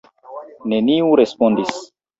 Neniu respondis.